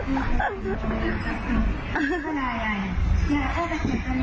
เก็บอะไรนะคะดำยัย